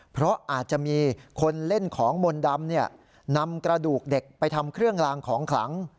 เพราะอาจจะมีคนเล่นของมนต์ดำนำกระดูกเด็กไปทำเครื่องลางของขลัง